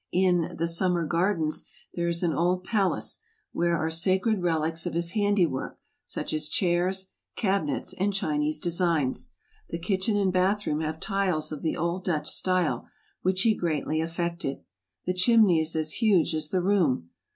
In " the summer gardens" there is an old pal ace, where are sacred relics of his handiwork, such as chairs, cabinets, and Chinese designs. The kitchen and bath room have tiles of the old Dutch style, which he greatly affected. The chimney is as huge as the room.